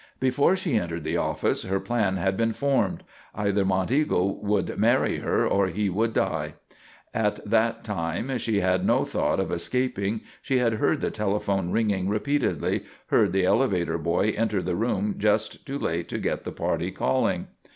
Before she entered the office her plan had been formed. Either Monteagle would marry her or he should die. At that time she had no thought of escaping. She had heard the telephone ringing repeatedly; heard the elevator boy enter the room just too late to get the party calling.